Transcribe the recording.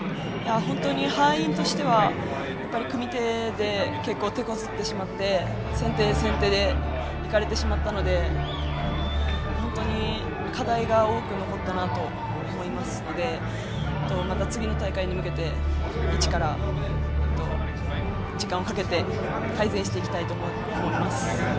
敗因としては組み手で結構、てこずってしまって先手先手でいかれてしまったので本当に課題が多く残ったなと思いますのでまた次の大会に向けて一から時間をかけて改善していきたいと思っております。